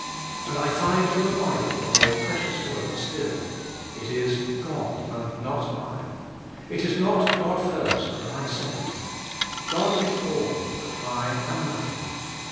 And I find in the Bible a more precious word still. It is, "God and not I." It is not, "God first, and I sec ond;" God is all, and I am nothing.